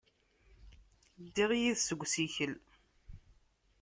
Ddiɣ yid-s deg usikel.